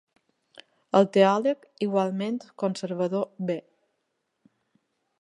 El teòleg igualment conservador B.